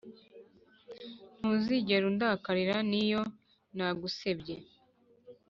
ntuzigera undakarira niyo nagusebye.